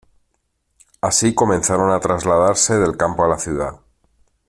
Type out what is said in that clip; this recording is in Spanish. Así comenzaron a trasladarse del campo a la ciudad.